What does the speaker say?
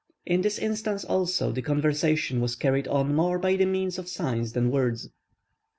In this instance, also, the conversation was carried on more by the means of signs than words.